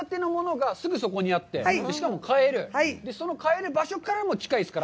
その買える場所からも近いですから。